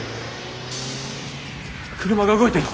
車が動いてる！